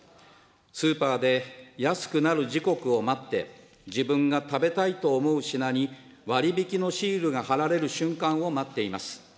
スーパーで、安くなる時刻を待って、自分が食べたいと思う品に割引のシールが貼られる瞬間を待っています。